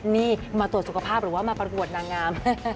นี่มาตรวจสุขภาพหรือว่ามาประกวดนางงาม